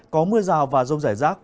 có mưa rào và rông rải rác